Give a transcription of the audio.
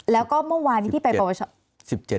แล้วก็เมื่อวานนี้ที่ไปปวช